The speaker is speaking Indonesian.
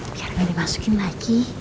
biar gak dimasukin lagi